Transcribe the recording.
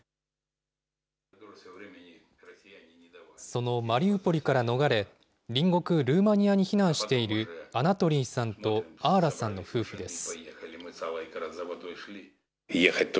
そのマリウポリから逃れ、隣国ルーマニアに避難しているアナトリーさんとアーラさんの夫婦です。